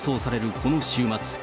この週末。